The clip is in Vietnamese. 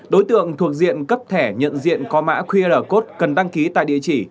đối tượng thuộc diện cấp thẻ nhận diện có mã qr code cần đăng ký tại địa chỉ